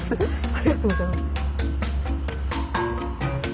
ありがとうございます。